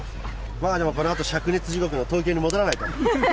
まあでもこのあと、しゃく熱地獄の東京に戻らないと。